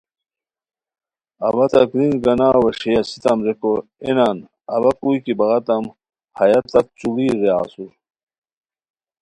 اوا تہ گرینج گاناؤ ویݰیئے اسیتام ریکو اے نان اوا کوئی کی بعاتام ہیہ تات چوڑیر را اسور